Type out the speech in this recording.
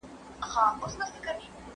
زه اوس مځکي ته ګورم!!